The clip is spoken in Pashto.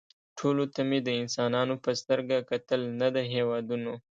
ټولو ته مې د انسانانو په سترګه کتل نه د هېوادونو